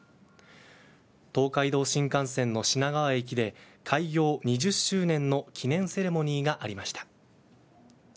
東海道新幹線の品川駅で開業２０周年の記念セレモニーがありました。